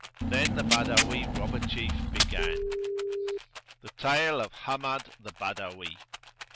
Then the Badawi robber chief began, The Tale of Hammad the Badawi.